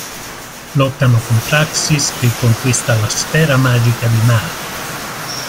Lottano con Praxis che conquista la sfera magica di Mar.